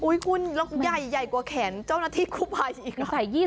อุ้ยคุณลกใหญ่ใหญ่กว่าแขนเจ้าหน้าที่ครูปายอีกอะ